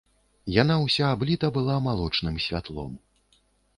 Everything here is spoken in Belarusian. Яна ўся абліта была малочным святлом.